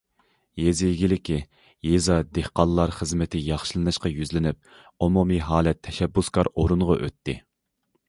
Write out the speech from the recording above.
‹‹ يېزا ئىگىلىكى، يېزا، دېھقانلار›› خىزمىتى ياخشىلىنىشقا يۈزلىنىپ، ئومۇمىي ھالەت تەشەببۇسكار ئورۇنغا ئۆتتى.